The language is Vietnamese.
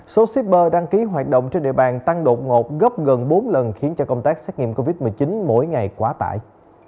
số shipper đăng ký hoạt động trên địa bàn tăng đột ngột gấp gần bốn lần khiến cho công tác xét nghiệm covid một mươi chín mỗi ngày quá tải